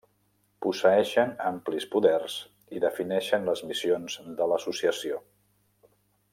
Posseeixen amplis poders i defineixen les missions de l'associació.